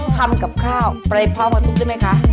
คำกับข้าวไปพร้อมกับตู้ใช่ไหมคะ